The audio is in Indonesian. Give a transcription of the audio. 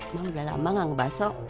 emang udah lama gak ngebasok